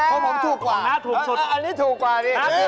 ของผมถูกกว่าอันนี้ถูกกว่าสิ